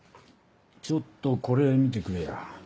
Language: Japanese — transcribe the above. ちょっとこれ見てくれや。